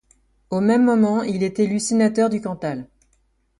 Au même moment, il est élu sénateur du Cantal.